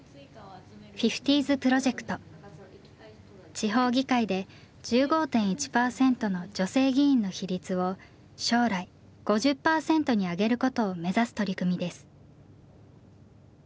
地方議会で１５．１％の女性議員の比率を将来５０％に上げることを目指す取り組みです。